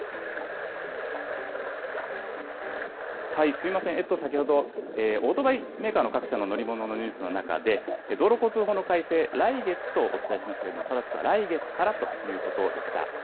すみません、先ほど、オートバイメーカーの各社の乗り物のニュースの中で、道路交通法の改正、来月とお伝えしましたけれども、正しくは来月からということでした。